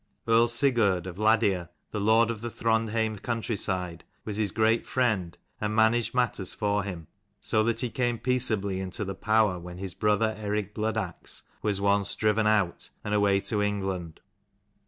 Earl Sigurd of Ladir, the lord of the Throndheim country side, was his great friend, and managed matters for him ; so that he came peaceably into the power, when his brother Eric Bloodaxe was once driven out, and away to England.